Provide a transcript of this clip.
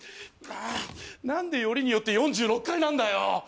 あ何でよりによって４６階なんだよ！